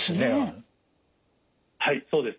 はいそうです。